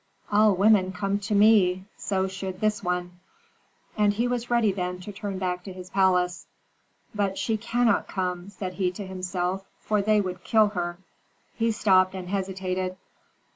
All women come to me, so should this one." And he was ready then to turn back to his palace. "But she cannot come," said he to himself, "for they would kill her." He stopped and hesitated.